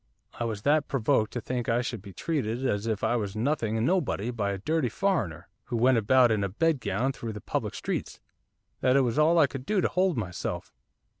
I was that provoked to think I should be treated as if I was nothing and nobody, by a dirty foreigner, who went about in a bed gown through the public streets, that it was all I could do to hold myself.